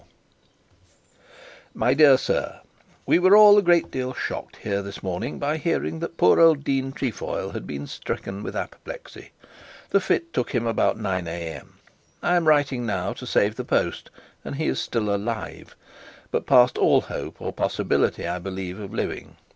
'(Private) 'My dear Sir, We were all a good deal shocked here this morning by hearing that poor old Dean Trefoil had been stricken with apoplexy. The fit took him about 9am. I am writing now to save the post, and he is still alive, but past all hope, or possibility, I believe, of living.